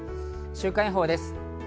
週間予報です。